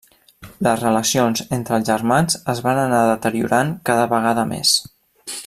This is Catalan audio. Les relacions entre els germans es van anar deteriorant cada vegada més.